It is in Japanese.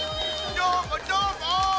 どーもどーも！